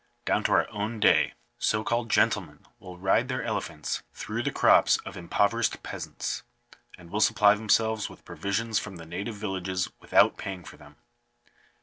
Down to our own day, so called gentlemen will ride their elephants through the crops of impoverished peasants; and will supply themselves with provisions from the native villages without paying for them.